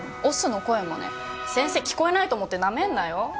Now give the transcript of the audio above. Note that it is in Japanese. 押忍の声もね先生聞こえないと思ってなめんなよ